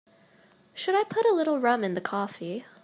Shall I put a little rum in the coffee?